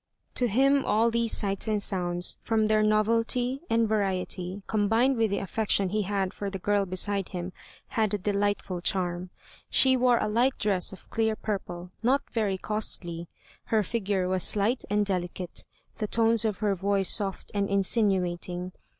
To him all these sights and sounds, from their novelty and variety, combined with the affection he had for the girl beside him, had a delightful charm. She wore a light dress of clear purple, not very costly; her figure was slight and delicate; the tones of her voice soft and insinuating.